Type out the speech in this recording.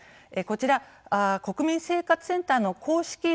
こちら国民生活センターの公式